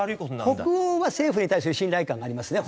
北欧は政府に対する信頼感がありますね。